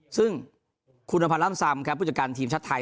ซึ่งคุณอภัณล่ำซำครับผู้จัดการทีมชาติไทย